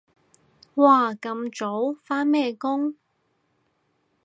哇咁早？返咩工？